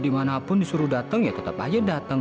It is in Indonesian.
dimanapun disuruh datang ya tetap aja datang